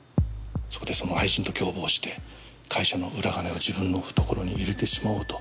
そこでその愛人と共謀して会社の裏金を自分の懐に入れてしまおうと計画したのではないかと。